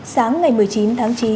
sáng ngày một mươi chín tháng chín